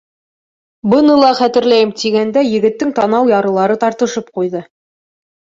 — Быны ла хәтерләйем, — тигәндә егеттең танау ярылары тартышып ҡуйҙы.